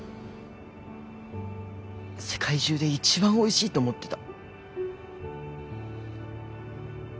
世界中で一番おいしいと思ってた。